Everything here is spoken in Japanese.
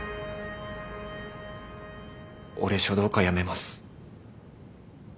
俺書道家辞めます。